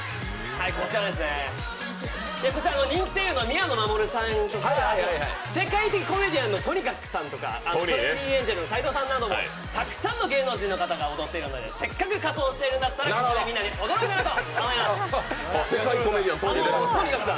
こちらですね、こちら人気声優の宮野真守さんとか世界的コメディアンのＴＯＮＩＫＡＫＵさんとか、トレンディエンジェルの斎藤さんなどたくさんの芸能人の方が踊っているので、せっかく仮装してるんだったらみんなで踊ろうじゃないかと。